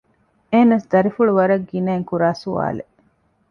އެހެނަސް ދަރިފުޅު ވަރަށް ގިނައިން ކުރާ ސުވާލެއް